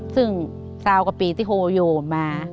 ซึ่งเศร้ากับปีที่โหย่อมา